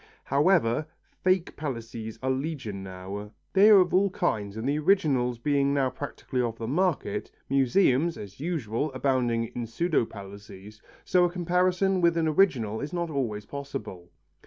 However, false Palissys are legion now. They are of all kinds and the originals being now practically off the market, museums, as usual, abounding in pseudo Palissys, so a comparison with an original is not always possible.